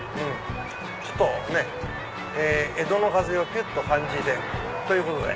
ちょっとね江戸の風をぴゅっと感じて！ということで。